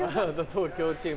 東京チーム。